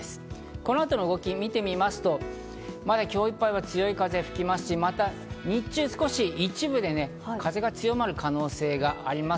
この後の動きを見てみますと今日いっぱいは強い風が吹きますし、日中は少し一部で風が強まる可能性があります。